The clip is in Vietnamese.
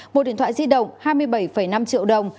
mua điện thoại di động hai mươi bảy năm triệu đồng